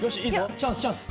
チャンスチャンス。